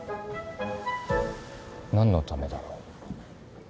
何のためだろう。